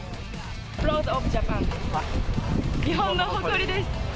プラウド・オブ・ジャパン、日本の誇りです。